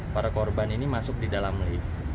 para korban ini masuk di dalam lift